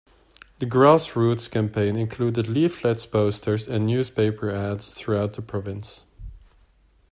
The grass-roots campaign included leaflets, posters, and newspaper ads throughout the province.